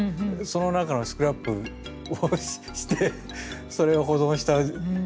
その中のスクラップをしてそれを保存した自分の世界ですか？